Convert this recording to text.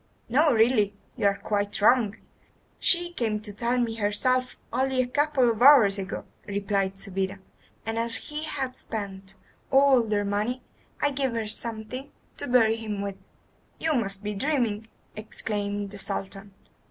"No; really you are quite wrong. She came to tell me herself only a couple of hours ago," replied Subida, "and as he had spent all their money, I gave her something to bury him with." "You must be dreaming," exclaimed the Sultan.